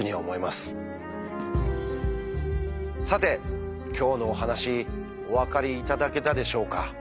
さて今日のお話お分かりいただけたでしょうか？